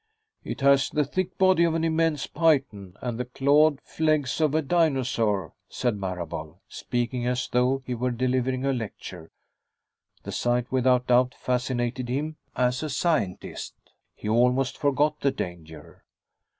"It has the thick body of an immense python and the clawed legs of a dinosaur," said Marable, speaking as though he were delivering a lecture. The sight, without doubt, fascinated him as a scientist. He almost forgot the danger.